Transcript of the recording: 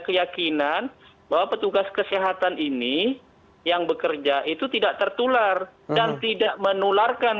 keyakinan bahwa petugas kesehatan ini yang bekerja itu tidak tertular dan tidak menularkan